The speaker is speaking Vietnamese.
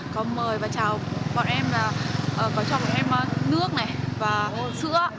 có mời và chào bọn em có cho bọn em nước này và sữa